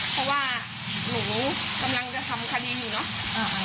เพราะว่าหนูกำลังจะทำคดีอยู่เนอะ